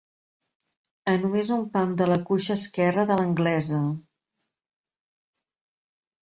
A només un pam de la cuixa esquerra de l'anglesa.